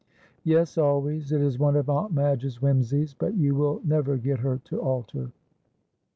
"Yes, always; it is one of Aunt Madge's whimsies; but you will never get her to alter."